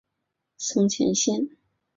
松前线。